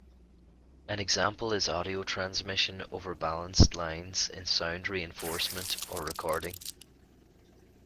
An example is audio transmission over balanced lines in sound reinforcement or recording.